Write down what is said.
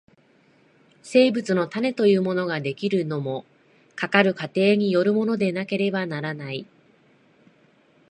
生物の種というものが出来るのも、かかる過程によるものでなければならない。